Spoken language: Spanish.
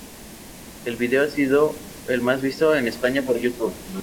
El video ha sido el más visto en España por YouTube.